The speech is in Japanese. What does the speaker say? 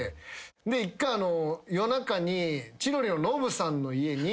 １回夜中に千鳥のノブさんの家に。